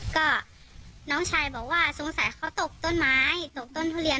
ก็น้องชายบอกว่าสงสัยเขาตกต้นไม้ตกต้นทุเรียน